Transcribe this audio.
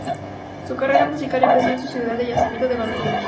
Su carrera musical empezó en su ciudad de nacimiento de Bandung.